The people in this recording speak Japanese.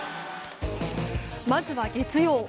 まずは月曜。